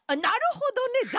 なるほどね！